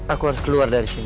aku harus keluar dari sini